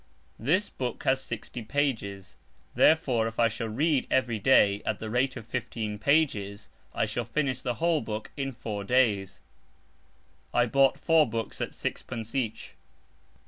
This book has sixty pages; therefore if I (shall) read every day (at the rate of) fifteen pages, I shall finish the whole book in four days. I bought four books at sixpence each.